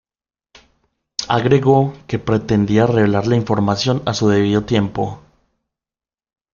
Agregó que pretendía revelar la información a su debido tiempo.